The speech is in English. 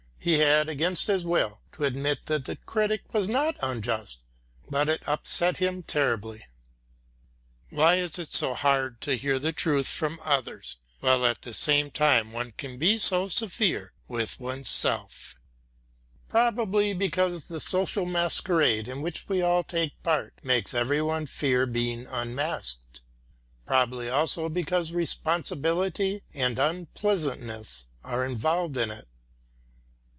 He had, against his will, to admit that the critic was not unjust, but it upset him terribly. Why is it so hard to hear the truth from others, while at the same time one can be so severe against oneself? Probably because the social masquerade in which we all take part makes every one fear being unmasked, probably also because responsibility and unpleasantness are involved in it.